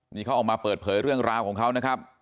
นี่เขาออกมาเปิดเผยเรื่องราวของเขานะครับ